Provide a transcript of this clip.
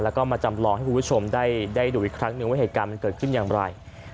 แล้วก็มาจำลองให้คุณผู้ชมได้ดูอีกครั้งนึงว่าเหตุการณ์มันเกิดขึ้นอย่างไร